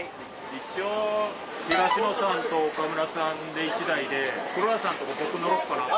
一応東野さんと岡村さんで１台で黒田さんと僕乗ろうかなって。